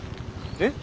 えっ？